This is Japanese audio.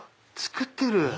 作ってる。